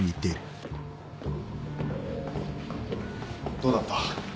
どうだった？